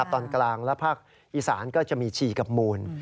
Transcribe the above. ตอนกลางและภาคอีสานก็จะมีฉี่กับมูล